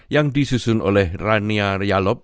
yang disusun oleh rania rialop